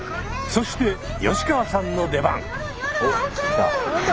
そして吉川さんの出番。